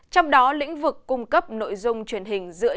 trong đó lĩnh vực cung cấp nội dung truyền hình dựa